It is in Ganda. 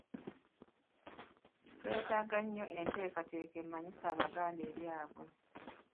Twetaaga nnyo enteekateeka emanyisa Abaganda ebyabwe.